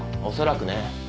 おそらくね。